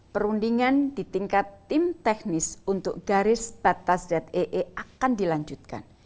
perundingan di tingkat tim teknis untuk garis batas zee akan dilanjutkan